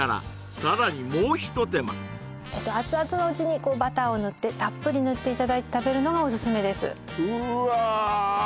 熱々のうちにこうバターを塗ってたっぷり塗っていただいて食べるのがオススメですうわ